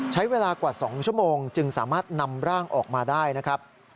ใช้เวลากว่า๒ชั่วโมงจึงสามารถนำร่างออกมาได้นะครับ